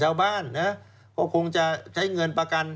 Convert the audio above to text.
ชาวบ้านนะก็คงจะใช้เงินประกัน